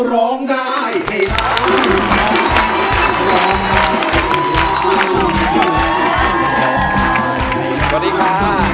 สวัสดีค่ะ